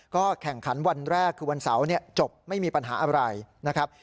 ก็แข่งขันวันแรกคือวันเสาร์จบไม่มีปัญหาอะไรนะครับ